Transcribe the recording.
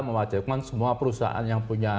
mewajibkan semua perusahaan yang punya